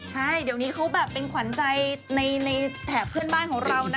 ใช่เดี๋ยวนี้เขาแบบเป็นขวัญใจในแถบเพื่อนบ้านของเรานะ